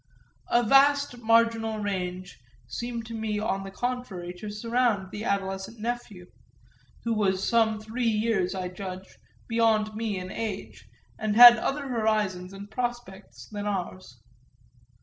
A vast marginal range seemed to me on the contrary to surround the adolescent nephew, who was some three years, I judge, beyond me in age and had other horizons and prospects than ours.